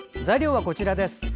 材料はこちらです。